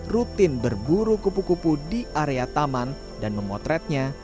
rutin berburu kupu kupu di area taman dan memotretnya